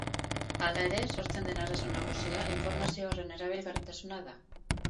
Hala ere, sortzen den arazo nagusia informazio horren erabilgarritasuna da.